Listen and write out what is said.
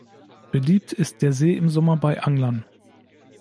Beliebt ist der See im Sommer bei Anglern.